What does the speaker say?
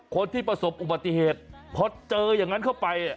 คนที่ประสบอุบัติเหตุพอเจออย่างนั้นเข้าไป